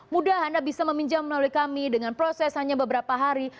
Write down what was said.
mudah anda bisa meminjam melalui kami dengan proses hanya beberapa hari